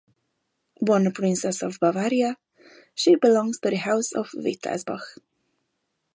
Born a Princess of Bavaria, she belongs to the House of Wittelsbach.